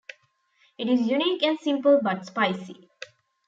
It is unique and simple but spicy.